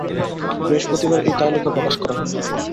বৃহস্পতিবার এ তালিকা প্রকাশ করা হয়।